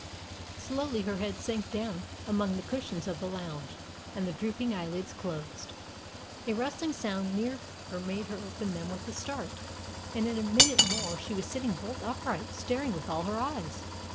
Slowly her head sank down among the cushions of the lounge, and the drooping eyelids closed. A rustling sound near her made her open them with a start, and in a minute more she was sitting bolt upright, staring with all her eyes.